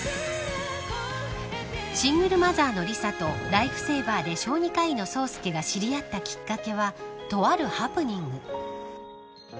［シングルマザーの理沙とライフセーバーで小児科医の宗佑が知り合ったきっかけはとあるハプニング］